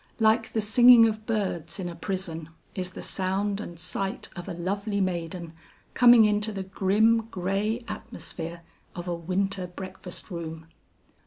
Like the singing of birds in a prison, is the sound and sight of a lovely maiden coming into the grim, gray atmosphere of a winter breakfast room.